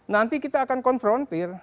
nanti kita akan konfrontir